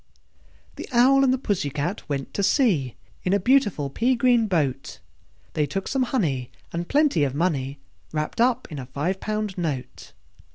The Owl and the Pussy Cat went to sea In a beautiful pea green boat: They took some honey, and plenty of money Wrapped up in a five pound note.